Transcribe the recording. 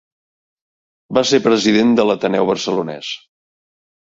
Va ser president de l'Ateneu Barcelonès.